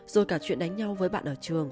rồi cả chuyện đánh nhau với bạn ở trường